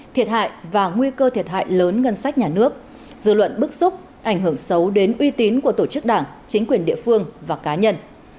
thiệt hại và nguy cơ thiệt hại lớn ngân sách nhà nước dư luận bức xúc ảnh hưởng xấu đến uy tín của tổ chức đảng chính quyền địa phương và cá nhân